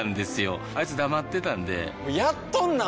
あいつ黙ってたんでやっとんなー！